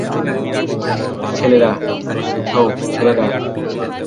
ছেলেরা-- - প্রস্তুত হও, ছেলেরা!